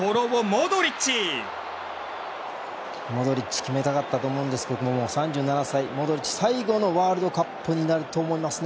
モドリッチ決めたかったと思うんですけど３７歳、モドリッチ最後のワールドカップになると思います。